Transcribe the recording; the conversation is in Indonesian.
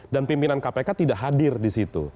dan pimpinan kpk tidak hadir di situ